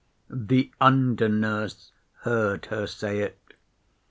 The under nurse heard her say it.